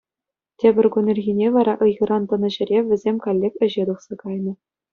Тепӗр кун ирхине вара ыйхӑран тӑнӑ ҫӗре вӗсем каллех ӗҫе тухса кайнӑ.